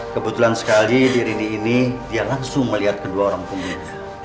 kebetulan sekali diri ini ini dia langsung melihat kedua orang pembunuh